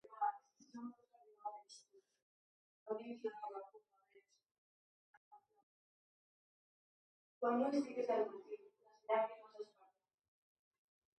Què va obrir a Banyoles?